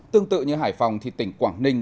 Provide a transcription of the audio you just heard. tương tự như hải phòng thì tỉnh quảng ninh